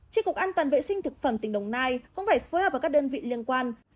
trên cục an toàn vệ sinh thực phẩm tỉnh đồng nai cũng phải phối hợp với các đơn vị liên quan